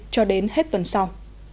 cho đến hết tuần sau